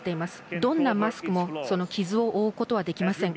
どんなマスクも、その傷を覆うことはできません。